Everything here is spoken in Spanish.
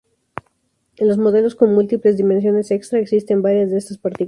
En los modelos con múltiples dimensiones extra, existen varias de estas partículas.